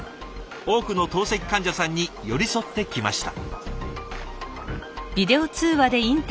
多くの透析患者さんに寄り添ってきました。